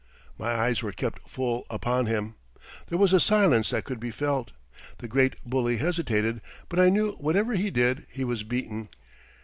My eyes were kept full upon him. There was a silence that could be felt. The great bully hesitated, but I knew whatever he did, he was beaten.